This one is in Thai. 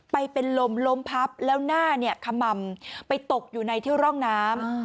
ไปเป็นลมล้มพับแล้วหน้าเนี่ยขม่ำไปตกอยู่ในที่ร่องน้ำ